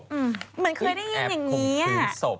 เหมือนเคยได้ยินอย่างนี้